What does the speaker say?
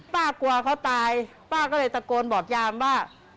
กลัวเขาตายป้าก็เลยตะโกนบอกยามว่า